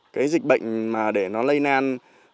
cái dịch bệnh mà để nó lây nan